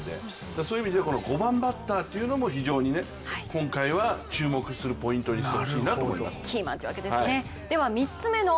そういう意味で５番バッターというのも今回は注目するポイントにしてほしいと思います。